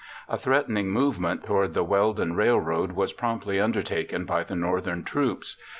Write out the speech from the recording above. A threatening movement toward the Weldon Railroad was promptly undertaken by the Northern troops.